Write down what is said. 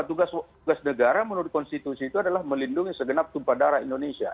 tugas negara menurut konstitusi itu adalah melindungi segenap tumpah darah indonesia